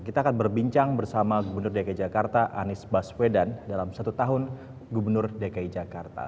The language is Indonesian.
kita akan berbincang bersama gubernur dki jakarta anies baswedan dalam satu tahun gubernur dki jakarta